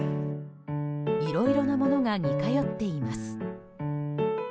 いろいろなものが似通っています。